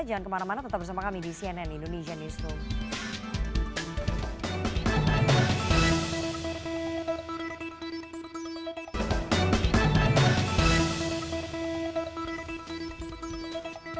jangan kemana mana tetap bersama kami di cnn indonesian newsroom